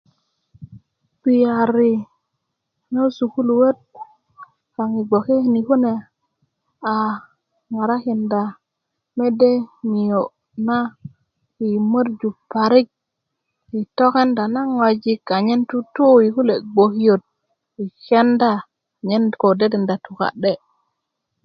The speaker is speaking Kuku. gbiyari lo sukuluöt kaŋ i gboke ni kune a ŋarakinda mede niyo' na yi mörju parik i tokenda na ŋwajik anyen tutu i kule' gbokiyöt i kenda anyen ko dedenda tuka'de'